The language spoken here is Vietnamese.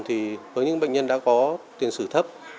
thì với những bệnh nhân đã có tiền sử thấp